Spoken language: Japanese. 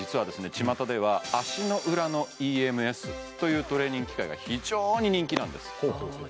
ちまたでは足の裏のＥＭＳというトレーニング機械が非常に人気なんですほうほうほう